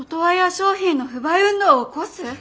商品の不買運動を起こす」！？